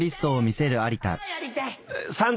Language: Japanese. あやりたい！